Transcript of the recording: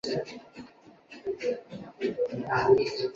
发声的原理是透过木板之间互相撞击而发声。